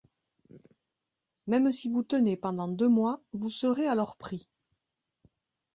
Même si vous tenez pendant deux mois, vous serez alors pris.